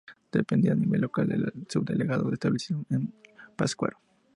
Dependía a nivel local del subdelegado establecido en Pátzcuaro.